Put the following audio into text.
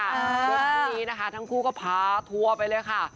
เมื่อครั้งนี้นะคะทั้งคู่ก็พาทัวร์ไปเลยค่ะ